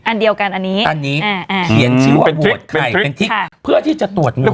อันเดียวกันอันนี้อันนี้เขียนชื่อว่าบวชไข่เป็นทิศเพื่อที่จะตรวจเงิน